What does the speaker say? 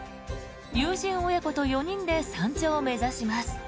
友人親子と４人で山頂を目指します。